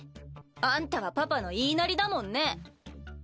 あんたはパパの言いなりだもんね。